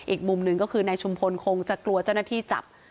อีกมุมหนึ่งก็คือนายชุมพลคงจะกลัวเจ้าหน้าที่จับ